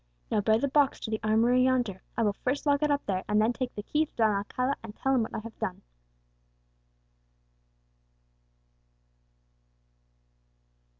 Now bear the box to the armoury yonder; I will first lock it up there, and then take the key to Don Alcala, and tell him what I have done."